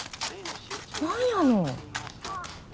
何やの。